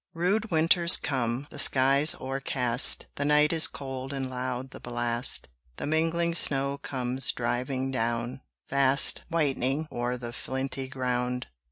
Rude winter's come, the sky's o'ercast, The night is cold and loud the blast, The mingling snow comes driving down, Fast whitening o'er the flinty ground.